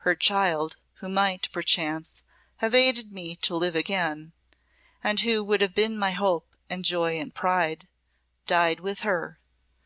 Her child who might, perchance, have aided me to live again, and who would have been my hope and joy and pride, died with her.